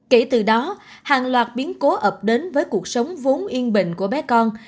kể từ đó hàng loạt biến cố ập đến với cuộc sống vốn yên bình của bé con